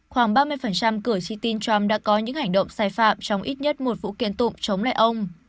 khoảng ba mươi cử tri tin trump đã có những hành động sai phạm trong ít nhất một vụ kiện tụng chống lại ông